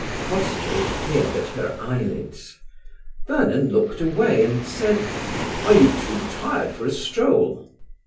Crossjay peered at her eyelids. Vernon looked away and said: "Are you too tired for a stroll?"